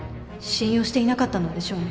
信用していなかったのでしょうね